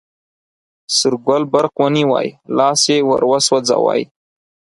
سور ګل برق ونیوی، لاس یې وروسوځوی.